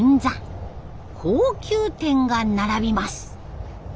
高級店が並びます。